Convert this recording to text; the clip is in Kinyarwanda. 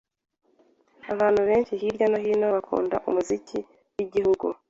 Abantu benshi hirya no hino bakunda umuziki wigihugu.